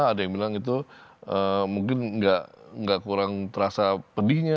ada yang bilang itu mungkin nggak kurang terasa pedihnya